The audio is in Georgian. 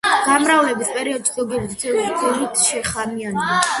გამრავლების პერიოდში ზოგიერთი თევზის ქვირითი შხამიანია.